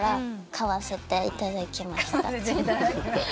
「買わせていただきました」？